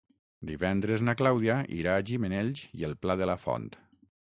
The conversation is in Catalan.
Divendres na Clàudia irà a Gimenells i el Pla de la Font.